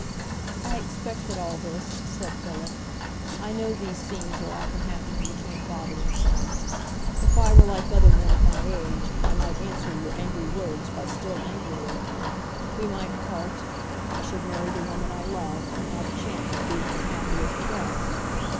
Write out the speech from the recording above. "I expected all this," said Philip. "I know these scenes are often happening between father and son. If I were like other men of my age, I might answer your angry words by still angrier; we might part; I should marry the woman I love, and have a chance of being as happy as the rest.